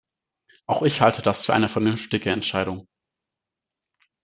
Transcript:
Auch ich halte das für eine vernünftige Entscheidung.